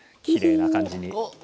きれいな感じに。